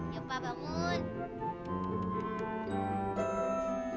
ya ampun bangun